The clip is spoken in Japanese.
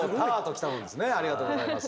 ありがとうございます。